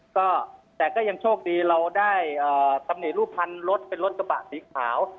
ก็แต่ก็ยังโชคดีเราได้ตำหนิรูปภัณฑ์รถเป็นรถกระบะสีขาว